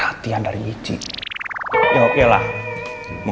hati dua an punya lu targeting inspirasi